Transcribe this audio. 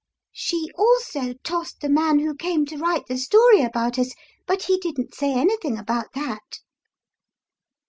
She also tossed the man who came to write the story about us, but he didn't say anything about that."